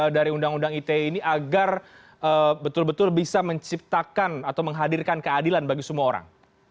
dari undang undang ite ini agar betul betul bisa menciptakan atau menghadirkan keadilan bagi semua orang